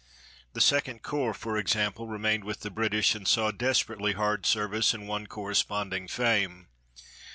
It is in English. The Second Corps, for example, remained with the British and saw desperately hard service and won corresponding fame.